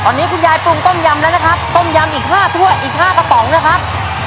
ตอนนี้คุณยายปรุงต้มยำแล้วนะครับต้มยำอีก๕ถ้วยอีก๕กระป๋องนะครับ